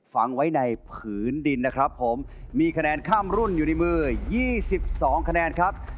ฝังไว้ในผืนดินนะครับผมมีคะแนนข้ามรุ่นอยู่ในมือ๒๒คะแนนครับ